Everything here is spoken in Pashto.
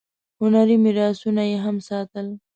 هنري میراثونه یې هم ساتل.